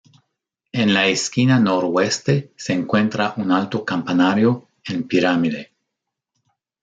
En la esquina noroeste se encuentra un alto campanario en pirámide.